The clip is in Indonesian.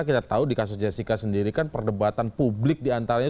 kita tahu di kasus jessica sendiri kan perdebatan publik diantaranya